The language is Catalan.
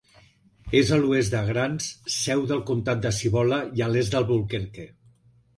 És a l'oest de Grants, seu del comtat de Cibola, i a l'est d'Albuquerque.